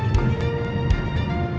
aku pasti akan ikut